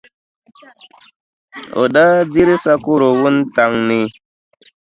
O daa diri sakɔro wuntaŋ ni.